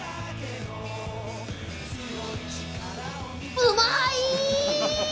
うまい！